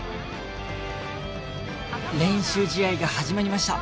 練習試合が始まりました